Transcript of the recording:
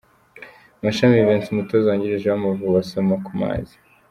Mashami Vincent umutoza wungirije w'Amavubi asoma ku mazi.